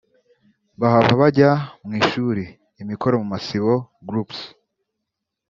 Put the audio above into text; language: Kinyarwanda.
Bahava bajya mu ishuri ( Imikoro mu masibo (groups)